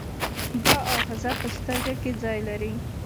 دا آخذه په سترګه کې ځای لري.